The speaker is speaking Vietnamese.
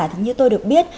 thì như tôi được biết